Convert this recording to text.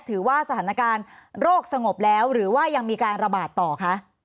สถานการณ์โรคสงบแล้วหรือว่ายังมีการระบาดต่อคะ